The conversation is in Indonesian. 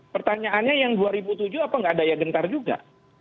pertanyaannya yang dua ribu tujuh apa nggak daya gentar juga